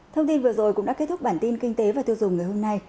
thông tin vừa rồi cũng đã kết thúc bản tin kinh tế và tiêu dùng ngày hôm nay